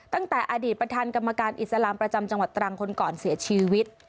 ตั้งแต่อดีตประธานกรรมการอิสลามประจำจังหวัดตรังคนก่อนเสียชีวิต